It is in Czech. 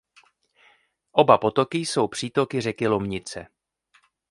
Oba potoky jsou přítoky řeky Lomnice.